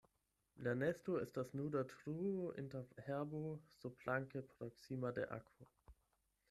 La nesto estas nuda truo inter herbo surplanke proksima de akvo.